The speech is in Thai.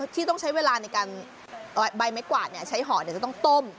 ที่ต้องใช้เวลาในการใบไม้กวาดใช้ห่อจะต้องต้ม